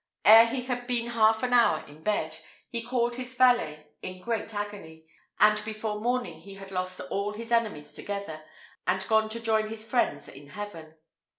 Ere he had been half an hour in bed, he called his valet in great agony, and before morning he had lost all his enemies together, and gone to join his friends in heaven.